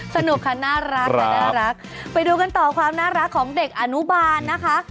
สนุกค่ะน่ารักและน่ารักไปดูกันต่อความน่ารักของเด็กอนุบาลนะคะ